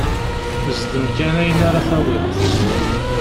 Zdem kan, ayen ara tawiḍ!